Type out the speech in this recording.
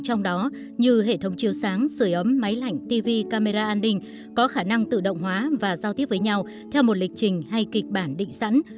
trong đó như hệ thống chiều sáng sửa ấm máy lạnh tv camera an ninh có khả năng tự động hóa và giao tiếp với nhau theo một lịch trình hay kịch bản định sẵn